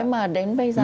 thế mà đến bây giờ